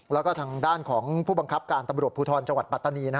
แล้วก็ทางด้านของผู้บังคับการตำรวจภูทรจังหวัดปัตตานี